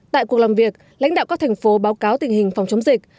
tại cuộc làm việc lãnh đạo các thành phố báo cáo tình hình phòng chống dịch